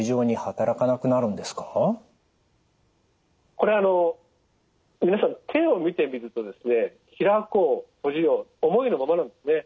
これ皆さん手を見てみるとですね開こう閉じよう思いのままなんですね。